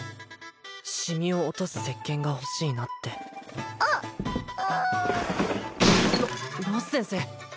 シミを落とすせっけんが欲しいなってロロス先生！？